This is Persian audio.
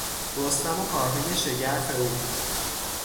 رستم و کارهای شگرف او